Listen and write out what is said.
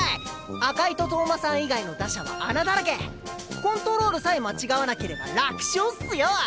赤井と投馬さん以外の打者はアナだらけコントロールさえ間違わなければ楽勝っスよ！